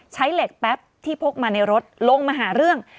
ใช้เหล็กแป๊บที่พกมาในรถลงมาหาเรื่อง